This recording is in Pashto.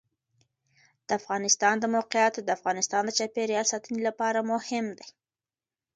د افغانستان د موقعیت د افغانستان د چاپیریال ساتنې لپاره مهم دي.